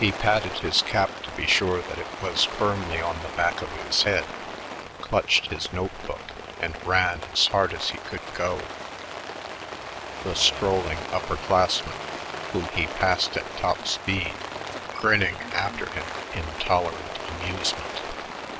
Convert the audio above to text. He patted his cap to be sure that it was firmly on the back of his head, clutched his note book, and ran as hard as he could go, the strolling upper classmen, whom he passed at top speed, grinning after him in tolerant amusement.